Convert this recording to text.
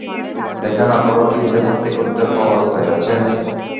দেখা না করেও কি ওদের হাত থেকে উদ্ধার পাওয়ার উপায় আছে?